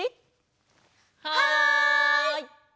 はい！